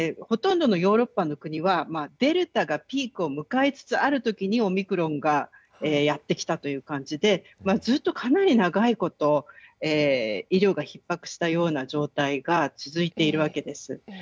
ほとんどのヨーロッパの国はデルタがピークを迎えつつあるときにオミクロンがやってきたという感じでずっと、かなり長いこと医療がひっ迫したような状態が続いているわけです。